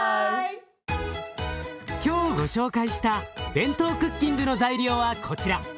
今日ご紹介したＢＥＮＴＯクッキングの材料はこちら。